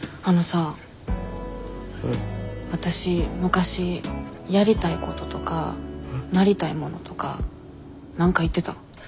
わたし昔やりたいこととかなりたいものとか何か言ってた？